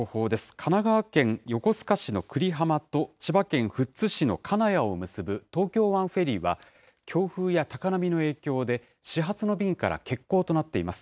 神奈川県横須賀市の久里浜と千葉県富津市の金谷を結ぶ東京湾フェリーは強風や高波の影響で、始発の便から欠航となっています。